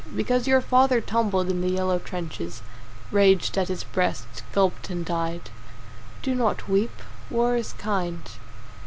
Because your father tumbled in the yellow trenches, Raged at his breast, gulped and died, Do not weep. War is kind.